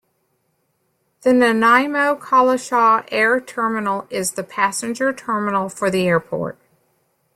The Nanaimo-Collishaw Air Terminal is the passenger terminal for the airport.